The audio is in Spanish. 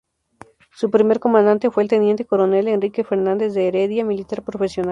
Su primer comandante fue el teniente coronel Enrique Fernández de Heredia, militar profesional.